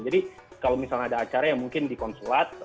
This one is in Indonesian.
jadi kalau misalnya ada acara ya mungkin di konsulat